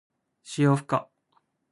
使用不可。